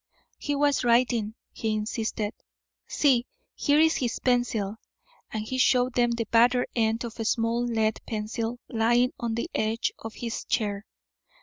"He was writing," he insisted. "See, here is his pencil." And he showed them the battered end of a small lead pencil lying on the edge of his chair.